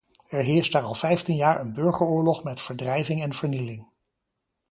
Er heerst daar al vijftien jaar een burgeroorlog met verdrijving en vernieling.